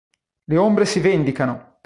Le ombre si vendicano!